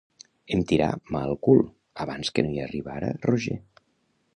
Em tirà mà al cul abans que no hi arribara Roger.